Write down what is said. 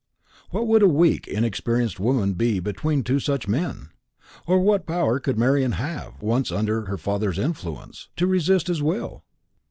What would a weak inexperienced woman be between two such men? or what power could Marian have, once under her father's influence, to resist his will?